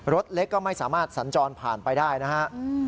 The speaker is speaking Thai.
รถเล็กก็ไม่สามารถสัญจรผ่านไปได้นะฮะ